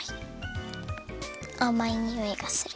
あまいにおいがする。